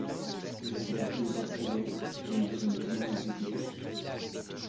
Son conseil est approuvé et ils sont dûment exécutés.